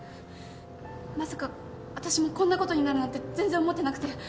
まさかあたしもこんなことになるなんて全然思ってなくて。